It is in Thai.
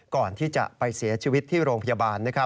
ก่อนที่จะไปเสียชีวิตที่โรงพยาบาล